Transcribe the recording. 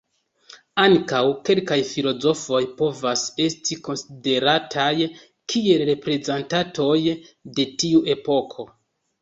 Ankaŭ kelkaj filozofoj povas esti konsiderataj kiel reprezentantoj de tiu epoko.